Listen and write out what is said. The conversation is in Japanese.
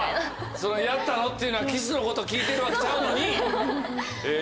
「やったの？」っていうのはキスのこと聞いてるわけちゃうのに。